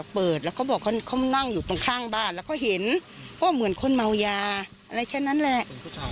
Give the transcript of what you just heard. เปิดแล้วเขาบอกเขานั่งอยู่ตรงข้างบ้านแล้วเขาเห็นก็เหมือนคนเมายาอะไรแค่นั้นแหละ